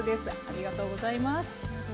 ありがとうございます。